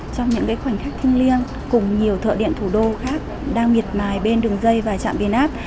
trong những khoảnh khắc thiên liêng cùng nhiều thợ điện thủ đô khác đang nghiệt mài bên đường dây và trạm biên áp